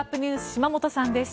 島本さんです。